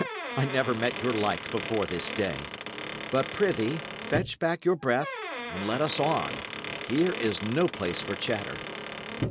I never met your like before this day. But, prithee, fetch back your breath, and let us on. Here is no place for chatter."